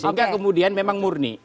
sehingga kemudian memang murni